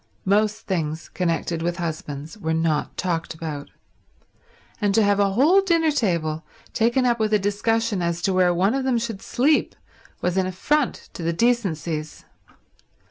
Most things connected with husbands were not talked about; and to have a whole dinner table taken up with a discussion as to where one of them should sleep was an affront to the decencies.